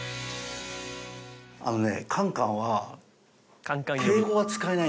あのね。